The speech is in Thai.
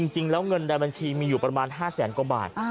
เงินในบัญชีมีอยู่ประมาณ๕แสนกว่าบาท